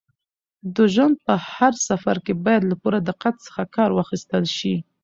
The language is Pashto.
د ژوند په هر سفر کې باید له پوره دقت څخه کار واخیستل شي.